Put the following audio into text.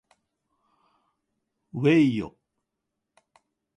うぇいよ